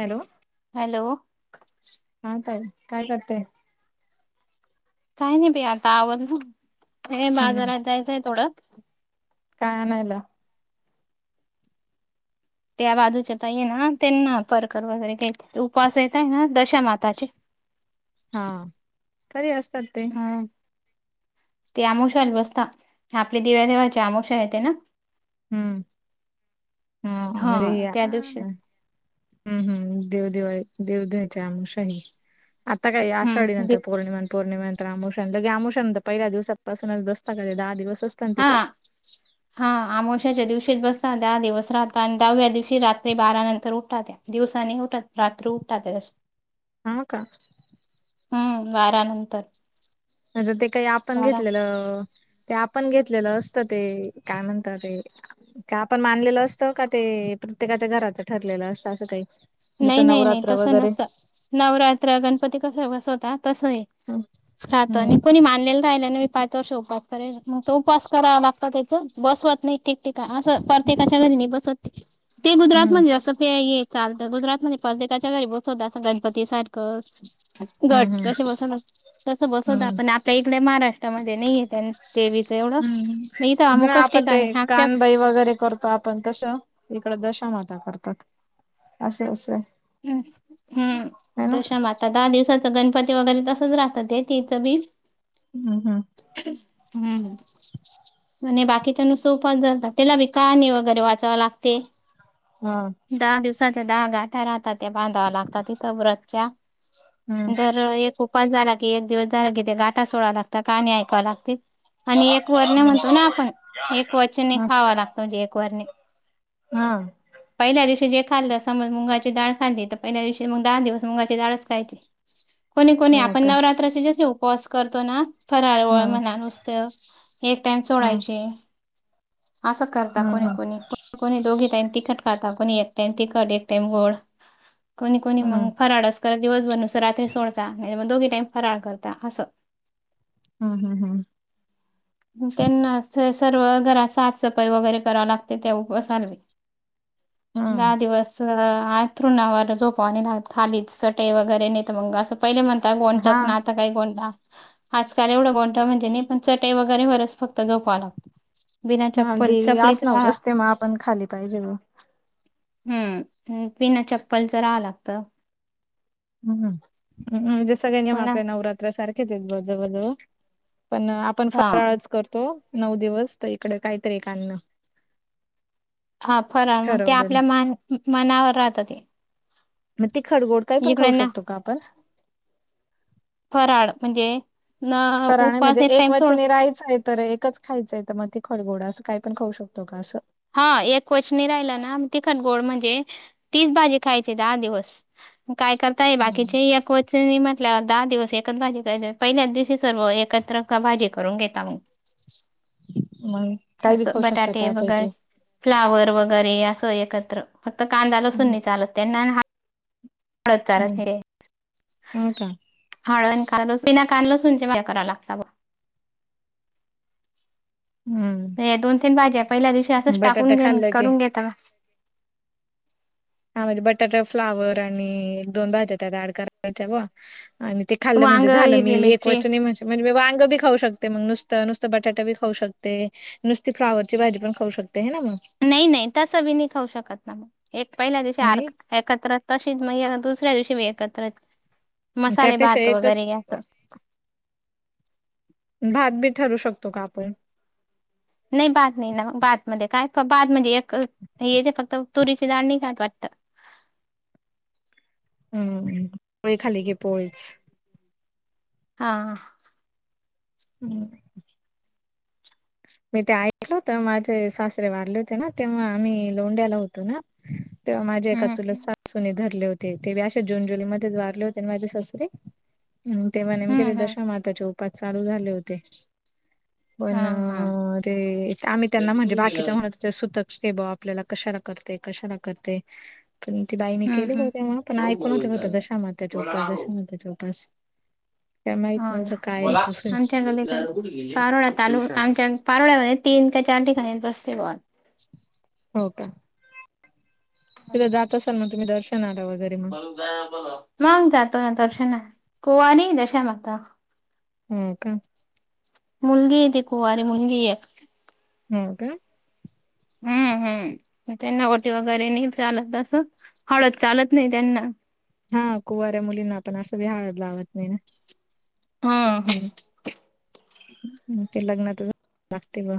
Hello! Hello! हा ताई काय करताय? काय नाही बई आता आवरल हे हम्म बाजारात जायचंय थोडं. काय आणायला? त्या बाजूच्या ताई ये ना त्यांना परकर वगैरे घ्यायचे होते उपवास येता ये ना दशामाताचे. हा कधी असतात ते? हूं ते आमोशाला बसता आपले दिवे धुवायची वाचे आमोशा येत ना. [unintelligible] हूं हूं हा त्या दिवशी देव देव दिवाळी दिवधुवायची आमोशा ही आता काय आषाढी हम्म दि नंतर पौर्णिमा पौर्णिमा नंतर अमोश्या नं लगे आमोश्या नंतर पहिल्या दिवसपासूनच बसता कां ते दहा दिवस असता ना ते हा पण. हा आमोशाच्या दिवशीच बसतात दहा दिवस राहतात आणि दहाव्या दिवशी रात्री बारा नंतर उठाता त्या. दिवसा नही उठत रात्री उठता त्यां. हाव का हम्म बारानंतर म्हणजे ते काही आपण घेतलेलं ते आपण घेतलेलं असतं ते काय म्हणता ते का आपण मानलेलं असतं का ते प्रत्येकाच्या घराच ठरलेलं असतं असं काही नाही जसं नाही नाही नवरात्र तसं वगैरे नसत नवरात्र गणपती कसं कसं होता बसवता तसंय हम्म राहत हम्म आणि कोणी मानलेलं राहिलेलं मी पाच वर्ष उपवास करेन मग तो उपवास करावा लागतो त्याच बसवत नाही ठीक ठीका असं प्रत्येकाच्या घरी नाही बसत ते गुजरात म्हणजे हम्म असं ते हे चाल तर गुजरात मध्ये प्रत्येकाच्या घरी बसवत असं गणपती सारखं घट हम्म कसे बसवतात तसं बसवतात हम्म पण आपल्या इकडे महाराष्ट्रामध्ये नाही हे त्यां हम्म ना आपण ते ठिकाणी आमच्या कानबाई वगैरे करतो आप पण तसं इकडं दशामाता करतात असं असं हं हम्म दशामाता दहा दिवसात गणपती वगैरे तसंच रहात ते तिथं बी हम् हम् हम्म आणि बाकीच्या नुसतं उपवास धरतात त्याला बी कहाणी वगैरे वाचाव लागते हा दहा दिवसाच्या दहा गाठा राहतात त्या बांधाव लागतात तिथं व्रतच्या हम्म दर एक उपवास झाला की एक दिवस झाला कि ते गाटा सोडव लाग कहाणी ऐकाव लागते आणि एक वर्णे म्हणतो ना आपण एक वचने ह खावा लागतो म्हणजे एक वर्णे हा पहिल्या दिवशी जे खाल्लं समज मुगा ची डाळ खाली तर पहिल्या दिवशी मग दहा दिवस मुगाची डाळच खायची कोणी कोणी हो आपण का नवरात्राचे जसे उपवास करतो ना हा फराळवळ म्हणा नुसतं एक टाइम हा सोडायचे असं करता कोणी हम्म कोणी कोणी कोणी दोन्ही टाइम तिखट खाता कोणी एक टाइम तिखट एक टाइम गोड कोणी कोणी हम्म मग हम्म फराळ अस करत दिवसभर नुसंत रात्री सोडता मग दोन्ही टाईम फराळ करता असं हा हा हा [unintelligible] त्यांना सर्व घरात साफसफाई वगैरे करावी लागते ते [unintelligible] हम्म दहा दिवस अंथ थरुणावर झोपाव नाही लागत. खाली चटई वैगरे, नाही तर मग असं पहिले म्हणता [inaudible] हा पण आता [unintelligible] आजकाल एवढं गोनटा माहिती नाही, पण चटई वगैरे वरच फक्त झोपाव लागत. हा देवी आसनावर असते मग आपण खाली पाहिजे म हम्म बिना चप्पलच राहावं लागत हम्म म्हणजे सगळे नियम कोणा आपल्या नवरात सारखेच आहेत जवळ-जवळ, पण आपण हा फराळच करतो. नऊ दिवस तर इकडे काहीतरी एक अन्न हा फराळ, मग ते ठरवलेलं आपल्या मनावर राहत ते. मग तीखट गोड काही पण इकडे खाऊ ना शकतो का आपण फराळ म्हणजे न [unintelligible] उपवास म्हणजे एक टाइम सोड वचने राहायचं. तर एकच खायचंय, तर मग तिखट-गोड असं काही पण खाऊ शकतो का? असं. हा एक वचनी राहिल ना, तिखट गोड म्हणजे, तीच भाजी खायची दहा दिवस. म काय करताय हम्म. बाकीचे एक वचनी म्हणजे [unintelligible] दहा दिवस एकच भाजी, पहिल्याच दिवशी सर्व एकत्र भाजी करून घेता मग. मग काही बी असं खाऊ शकता बटाटे त्यापैकी वगैर फ्लावर वगैरे असं एकत्र, फक्त कांदा-लसुण हम्म नय चालत त्यांना त चार हम्म ते [unintelligible] हो का हळद, बिना कांदा-लसुण करावा लागला बा. हम्म दोन-तीन भाज्या पहिल्या दिवशी असंच बटाटा टाकून घेऊन खाल्लं की करून घेता. हा म्हणजे बटाटा फ्लावर आणि दोन भाज्या त्या ॲड करायच्या, व आणि ते खाल्लं वांग म्हणजे झालं. मी हिरवी एक मिरची वचनी म्हणजे, म्हणजे, वांग बी खाऊ शकते. मग नुसतं-नुसतं बटाटा बी खाऊ शकते. नुसती फ्लॉवरची भाजी पण खाऊ शकते हे ना मग. नाई -नाई तसं बी नई खाऊ शकत ना, एक पहिल्या दिवशी आर नाही एकत्र, तशीच म दुसऱ्या दिवशी बी एकत्रच मसाले त्यापेक्षा भात एकच वगैरे अस. भात बीत ठरवू शकतो का आपण. नई. भात नई ना भातमध्ये काय, भात म्हणजे, एक हे फक्त तुरीची डाळ नाही खात वाटत. हम्, पोळी खाल्ली घे पोळीच. हा हम् मी ते ऐकलं हुतं. माझे सासरे वारले होते ना, तेव्हा आम्ही लोंढ्याला होतो ना तेव्हा माझ्या एका हम्म चुलत सासूने धरले होते. ते बी अशेच जून-जुलै मध्येच वारले होते ना, माझे सासरे. तेव्हा नेमके ते हम्म हम्म दशामाताचे उपास चालू झाले होते. हा-हा. अरे आम्ही त्यांना म्हणजे बाकीच्या म्हणत सुतक शे बो आपल्याला कशाला करते, कशाला करते. पण ती बाईने हम्म केले बा हम्म तेव्हा, पण ऐकून होते बा दशामातेचे उपवास-दशामातेचे उपवास. हो ना बोला [unintelligible] पारोळा चालु, आमच्यान पारोळ्यामध्ये तीन का चार ठिकाणी बसते ब हो का. [unintelligible] जात असण मग तुम्ही दर्शनाला वैगरे. मग जातो ना दर्शनाला, कुवारी दशा माता. हो का. मुलगीय ती कुवारी मुलगी ये. हम्म काय हम्म-हम्म, म त्यांना ओटी वगैरे नई चालत असं, हळद चालत नाही त्यांना. हा कुवाऱ्या मुलींना आपण अस बी हळद लावत नाही ना? ह‌्. ते लग्नात लागते ब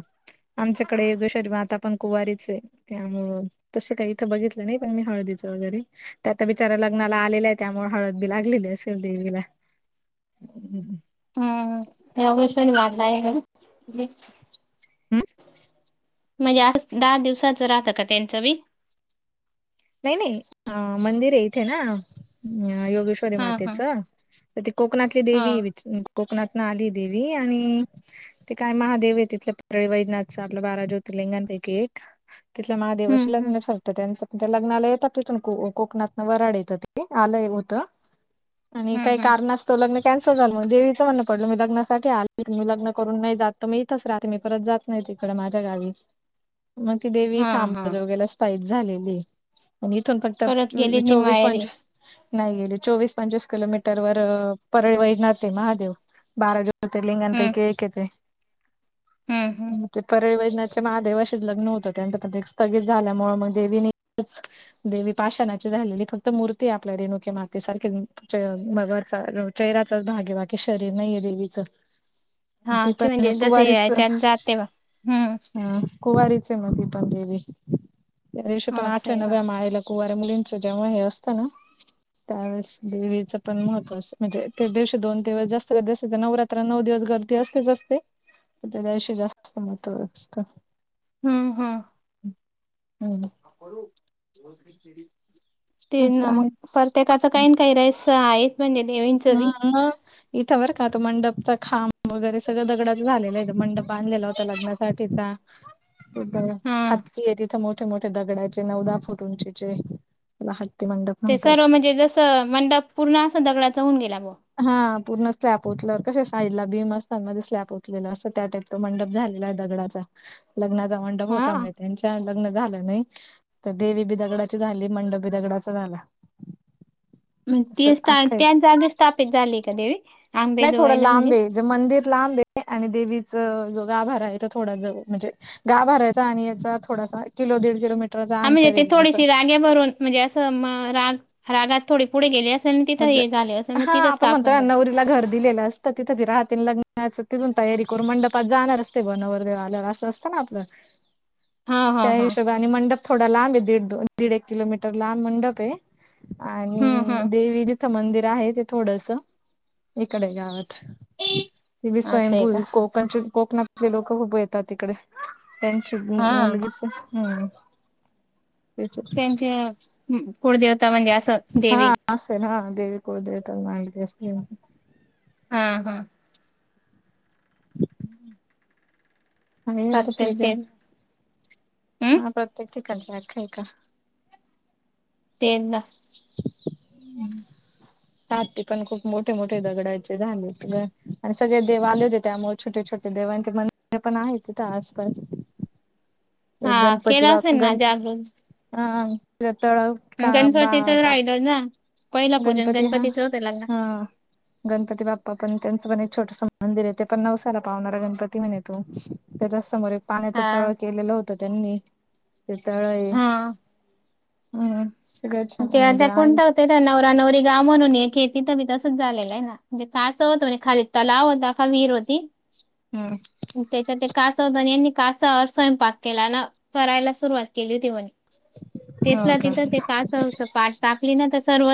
आमच्याकडे [unintelligible] पण कुवारीचाय. त्यामुळं तसं काही इथं बघितलं नाही, पण मी हळदीचं वगैरे त्याता बिचारा लग्नाला आलेला आहे त्यामुळे हळद बी लागलेली असेल देवीला. हमम. हम्म. यगश [unintelligible] हम. म्हणजे आज दहा दिवसाच राहतं का त्यांचं बी? नाही नाही मंदिर आहे इथे ना योगेश री हा हा मातीच तर ती कोकणातली हा देवी कोकणातन आली देवी आणि ते काय महादेव आहे तिथल्या परळी वैजनाथच आपलं बारा ज्योतिर्लिंगांपैकी एक. तिथल्या हम्म महादेवाशी हम्म लग्न ठरतं त्यांचं. लग्नाला येतात तिथून को कोकणातन वराड येतं आलं होतं‌. आणि हम्म काही हम्म कारणं तो लग्न कॅनस झालो मून देवीच म्हण पडलं मी लग्नासाठी आले मी लग्न करून नाही जात तर मी इथच राहते मी परत जात नाही तिकडं माझ्या गावी. [inaudible] मग ती देवी हा हा आंबेजोगाई ला स्पाईस झालेली. आणि इथून फक्त परत गेली नि चोवीस माहेरी पंचवीस नाही गेले. चोवीस पंचवीस किलोमीटर व परळी वैजनाथ महादेव बारा ज्योतिर्लिंगा हम्म पैकी एक हाय ते. हम्म हम्म ते परळी‌ वैज महादेवशी लग्न होतं त्यांचं पण ते स्थगित झाल्यामुळे मग देविनी देवी पाशणाची झालेली फक्त मूर्ती आपल्या रेणुके माते सारखे. रच मग चेहऱ्याचाच भाग आहे बाकी शरीर नाहीये देवीचं. हा ती ते पण म्हणजे जसे कुवारीच याच्यात जाते बा. हम्म. कुवारीच‌ आहे मग ती पण देवी पण आयुष्य पण असं आठव्या आहे का नवव्या मालेला कुवार मुलींचं जेव्हा हे असतं ना त्यावेळेस देवीचं पण महत्त्वा म्हणजे ते दिवशी दोन दिवस जास्त जास्त नवरात नऊ दिवस गर्दी असतेच असते त्या दिवशी जास्त महत्व असत. हम्म हा. हम्म. तेच ना असं मग. आहे त्याच कायन‌ काही ना काही राहिस आहे. [unintelligible] हा ह. इथं बरं का आता मंडपचा खांब वगैरे सगळं दगडाच झालेलं आहे मंडप बांधलेला होता लग्नात काठीचा? ब हा हत्ती आहे तिथं मोठे मोठे दगडाचे नऊ दहा फूट उंचीचे. हत्ती मंडप. ते म्हणतात सर्व म्हणजे जसं मंडप पूर्ण असं दगडाच होन गेला मग? हा पूर्ण स्लॅप होओतलं कश साईडला बीम असतात ना स्लॅब होओतलेलं अस त्या टाईप तो मंडप झालेला आहे दगडाचा लग्नाचा मंडप होता हा. म्हण त्यांच्या लग्न झालं नाही तर देवी बी दगडाची झाली मंडप बी दगडाचा झाला. मग असं ती अख्खा एक त्या जागे स्थापित झाली आहे का देवी नाही थोडं आंबेजोगाईला म्हणजे? लांब आहे मंदिर लांब आहे आणि देवीच जो गाभार आहे त थोडा जवळ म्हणजे गाभाऱ्याचा आणि याचा थोडासा किलो दीड किलो मीटर हा म्हणजे ते थोडीशी राग्या भरून म्हणजे असं राग रागात थोडी पुढे गेली अस तिथं म्हणजे हे झाले असेल मग हा तिथं आपण म्हणतो स्थापन ना झाली नवरीला घर दिलेलं असतं तिथं राहते लग्ना तिथून तयारी करून मंडपात जाणार असते ब नवरदेव आल्यावर असं. ना आपलं. हा हा त्या हा हिशोबानी मंडप थोडा लांब आहे दीड दो दीड एक किलोमीटर लांब मंडप आहे. आणि हम्म हम्म देवी तिथं मंदिर आहे ते थोडस इकडे गावात. ती बी असं आहे का स्वयंभूल कोकण कोकणातले लोक खूप येतात इकडे. हा [inaudible] त्यांचे कुळदेवता म्हणजे असं देवी हा असेल हा, देव कुलदेवता आणि [inaudible] हा हम्म! असतील ते [inaudible] हम्म हा प्रत्येक ठिकाणची अ्ख्या आहे का? [inaudible] [inaudible] पण खूप मोठे मोठे दगडायचे झालेत ग आणि सगळे देव आले होते त्यामुळे छोटेछोटे देवांचे मंदिर पण आहे तिथं आसपास. एक हा गणपती केलं बाप असेल ना गणप जागृत हा तळं गणपती तर राहिला जा. गणपती हा, हा! गणपती बाप्पा पण त्यांचं पण एक छोटस मंदिर आहे ते पण नऊसाला पाहणारा गणपती म्हणे तो. त्याच्यासमोर एक पाण्याच हा तळ केलेलं होत त्यांनी ते तळं आहे. हा हम! ते [inaudible] कोणता होत त्या नवरा नवरी गाव म्हणून एक आहे तिथं बी तसंच झालेलं आहे ना? म्हणजे तिथं असं होतं म्हणे खाली तलाव होता का विहीर होती हम्म त्याच्यात एक कासव होतं यांनी [inaudible] स्वयंपाक केला ना, करायला सुरुवात केली होती म्हणे हो तिथल्या का तिथं [inaudible] पाठ टाकली ना तर सर्व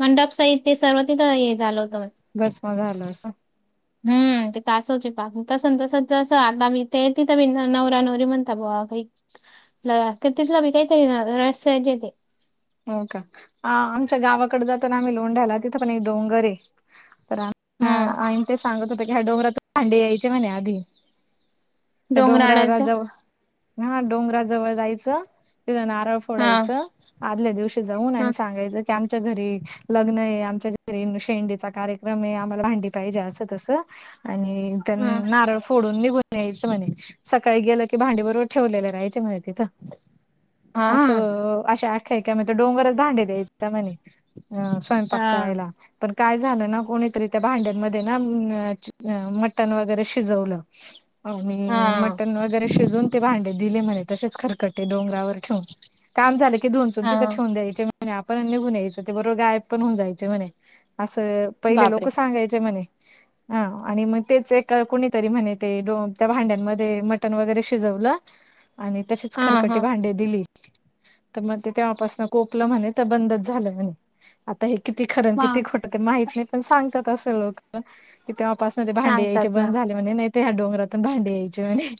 मंडप साहित्य सर्व तिथं हे झालं होतं म्हणे भस्म झालं [inaudible] हम्म ते कासवचे पाक तस तस जस आता मी ते तिथं नवऱ्या नवरी म्हणता बवा ला तेहतीसला विकायचं ना [inaudible] येतंय. हो का? आमच्या गावाकडं जातो ना आम्ही लोंढायला तिथं पण एक डोंगरय तर हा हम्म आई तेन सांगत होते ह्या डोंगरात भांडे यायचे म्हणे आधी त्या डोंगराला डोंगराळाच्या जव हा डोंगराजवळ जायचं तिथं नारळ हा फोडायचं आदल्या दिवशी जाऊन हा आणि सांगायचं क आमच्या घरी लग्न आहे, आमच्या घरी शेंडीचा कार्यक्रम आहे, आम्हाला भांडी पाहिजे असं तसं आणि त्यां हा नारळ फोडून निघून यायचं म्हणे सकाळी गेलं की भांडी बरोबर ठेवलेलं राहाय म्हणे तिथं. हा. असं अशी अख्यायिका मग तो डोंगरच भांडे द्याय म्हणे. हं! स्वयंपाक हा. करायला. पण काय झालं ना कोणीतरी त्या भांड्यांमध्ये ना अ मटण वगैरे शिजवलं. [inaudible] [inaudible] हा मटन वगैरे शिजून ते भांडे दिले म्हणे तसेच खरकटे डोंगरावर ठेवून काम झाले की धूऊन तिथं हा. ठेवून द्यायचे आपण निघून यायचं ते बरोबर गायब पण होऊन जायचे म्हणे असं पहिले बापरे! लोक सांगायचे म्हणे. हा आणि मग तेच ए कोणीतरी म्हणे ते त्या भांड्यांमध्ये मटन वगैरे शिजवलं. [inaudible] आणि तशीच हा खरकटी हा. भांडे दिली. तर मग ते तेव्हापासन कोपलं म्हणे तर, बंदच झालं म्हणे आता हे किती खरं आणि किती मग. खोटं ते माहित नाही., पण सांगतात असं लोक. कि तेव्हापास ते भांडे यायचे सांगतात ना. बंद झाले. म्हणे, नाही ह्या डोंगरातून भांडे यायचे म्हणे.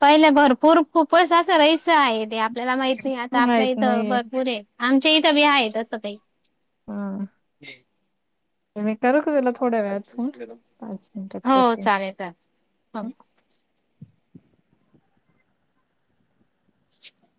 पहिले भरपूर खूपच असं राहायचं आहे ते आपल्याला माहिती आहे. आता आपल्या माहित इथं नाहीये. भरपूर आहे. आमच्या इथं बी आहेत असं काही. हम. तरकला [inaudible] हो करते. चालेल-चालेल तर. [unintelligible]